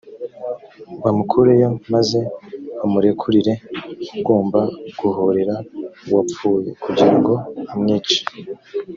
bamukureyo, maze bamurekurire ugomba guhorera uwapfuye kugira ngo amwice.